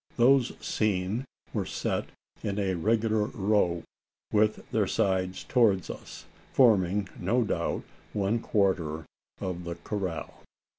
Those seen were set in a regular row, with their sides towards us forming, no doubt, one quarter of the "corral."